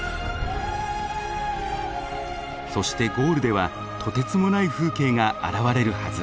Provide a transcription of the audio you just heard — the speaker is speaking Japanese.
そしてゴールではとてつもない風景が現れるはず。